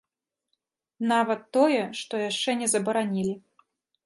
Нават тое, што яшчэ не забаранілі.